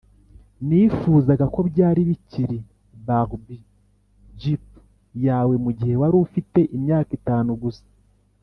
nifuzaga ko byari bikiri barbie jeep yawe mugihe wari ufite imyaka itanu gusa.